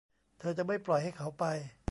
เธอจะไม่ปล่อยให้เขาไป